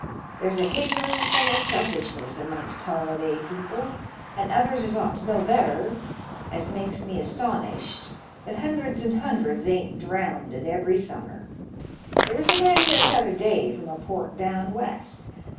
There's a hignorance and a selfishness amongst holiday people, and others as ought to know better, as makes me astonished that hundreds and hundreds ain't drownded every summer. There was a man here t'other day from a port down West.